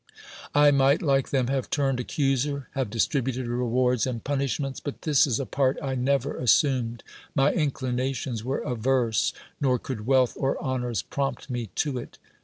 I might, like them, have turned accuser, have distributed rewards and punish 140 DEMOSTHENES lueiits ; but this is a part I never assumed ; my inclinations were averse; nor could wealth or honors prompt me to it.